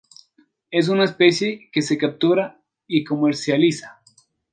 Es una especie que se captura y comercializa.